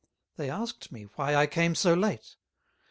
They asked me, why I came so late?